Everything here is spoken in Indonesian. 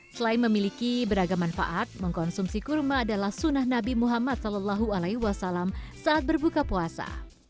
selain memiliki beragam manfaat mengkonsumsi kurma adalah sunnah nabi muhammad saw saat berbuka puasa